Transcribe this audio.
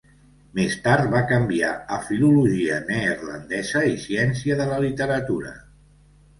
Més tard va canviar a filologia neerlandesa i Ciència de la literatura.